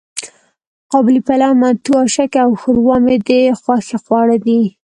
قابلي پلو، منتو، آشکې او ښوروا مې د خوښې خواړه دي.